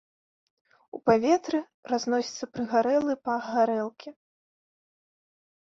У паветры разносіцца прыгарэлы пах гарэлкі.